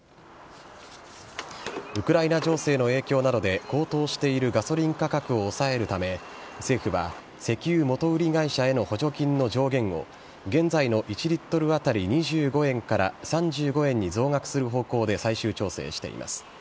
ウクライナ情勢の影響などで高騰しているガソリン価格を抑えるため政府は石油元売り会社への補助金の上限を現在の１リットル当たり２５円から３５円に増額する方向で最終調整しています。